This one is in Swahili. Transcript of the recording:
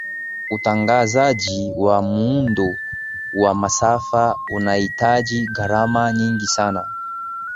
utangazaji wa muundo wa masafa unahitaji gharama nyingi sana